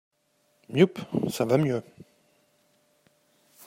Yupp !… ça va mieux !…